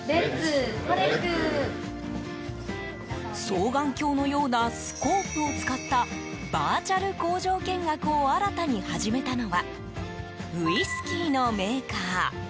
双眼鏡のようなスコープを使ったバーチャル工場見学を新たに始めたのはウイスキーのメーカー。